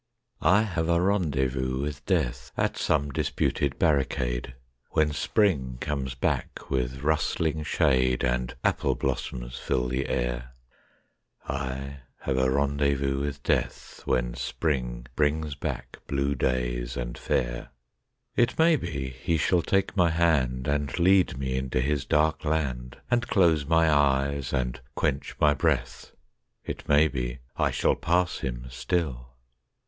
I have a rendezvous with Death At some disputed barricade, When Spring comes back with rustling shade And apple blossoms fill the air I have a rendezvous with Death When Spring brings back blue days and fair. It may be he shall take my hand And lead me into his dark land And close my eyes and quench my breath It may be I shall pass him still.